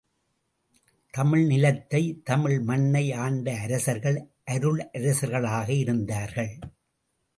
தமிழ் நிலத்தை, தமிழ் மண்ணை ஆண்ட அரசர்கள் அருளரசர்களாக இருந்தார்கள்.